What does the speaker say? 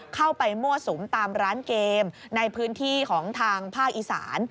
เข้าไปมั่วสุมตามร้านเกมในพื้นที่ของทางภาคอีสาน